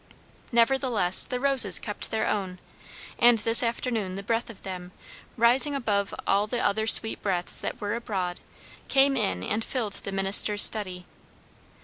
Nevertheless the roses kept their own, and this afternoon the breath of them, rising above all the other sweet breaths that were abroad, came in and filled the minister's study.